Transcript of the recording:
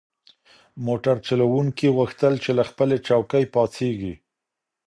موټر چلونکي غوښتل چې له خپلې چوکۍ پاڅیږي.